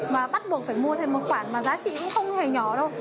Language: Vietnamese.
và bắt buộc phải mua thêm một khoản mà giá trị cũng không hề nhỏ đâu